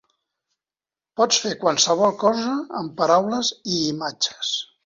"Pots fer qualsevol cosa amb paraules i imatges".